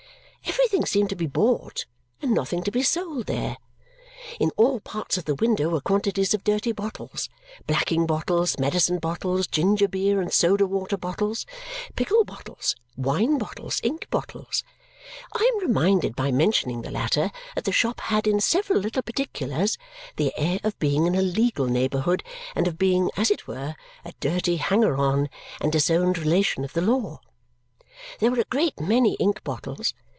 Everything seemed to be bought and nothing to be sold there. In all parts of the window were quantities of dirty bottles blacking bottles, medicine bottles, ginger beer and soda water bottles, pickle bottles, wine bottles, ink bottles; I am reminded by mentioning the latter that the shop had in several little particulars the air of being in a legal neighbourhood and of being, as it were, a dirty hanger on and disowned relation of the law. There were a great many ink bottles.